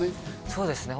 そうですね